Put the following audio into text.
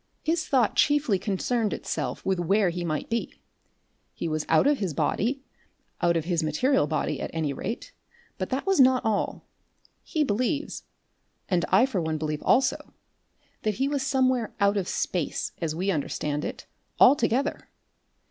His thought chiefly concerned itself with where he might be. He was out of the body out of his material body, at any rate but that was not all. He believes, and I for one believe also, that he was somewhere out of space, as we understand it, altogether.